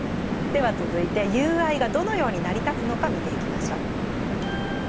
では続いて友愛がどのように成り立つのか見ていきましょう。